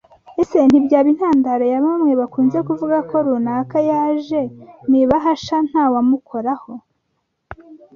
Ese ntibyaba intandaro ya bamwe bakunze kuvuga ko runaka yaje mu ibahasha nta wamukoraho